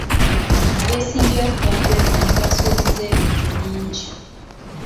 Abesimbyewo ku bwa pulezidenti basuubiza ebintu bingi.